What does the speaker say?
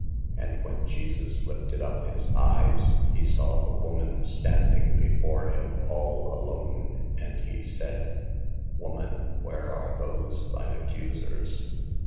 " And when Jesus lifted up His eyes, He saw the woman standing before him all alone. And He said :"< Woman, where are those thine accusers?